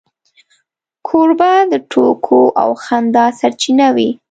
کوربه د ټوکو او خندا سرچینه وي.